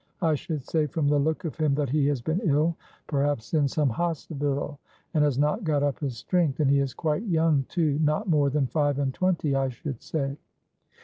I should say from the look of him that he has been ill, perhaps in some hospital, and has not got up his strength. And he is quite young too not more than five and twenty, I should say."